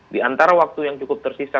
di antara waktu yang cukup tersisa